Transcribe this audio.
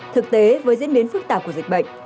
thực tế với diễn biến phức tạp của dịch bệnh